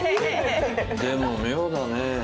でも妙だね。